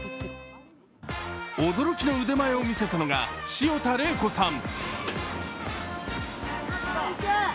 驚きの腕前を見せたのが潮田玲子さん。